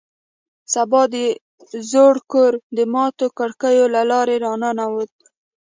سبا د زوړ کور د ماتو کړکیو له لارې راننوت